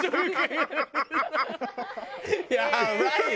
やばいね！